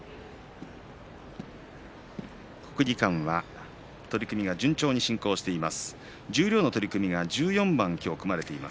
国技館は取組が順調に進んでいます。